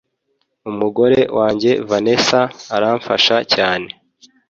Umugore wanjye Vanessa aramfasha cyane